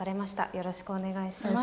よろしくお願いします。